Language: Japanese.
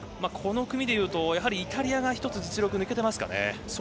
この組で言うとイタリアが１つ実力抜けていますかね。